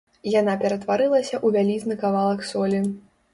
Яна ператварылася ў вялізны кавалак солі.